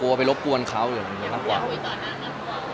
แล้วถ่ายละครมันก็๘๙เดือนอะไรอย่างนี้